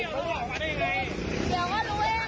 ไม่ได้เพราะว่าเป็นของสมวนสมวน